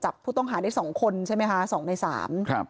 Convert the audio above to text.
จับผู้ต้องหาได้สองคนใช่ไหมคะสองในสามครับ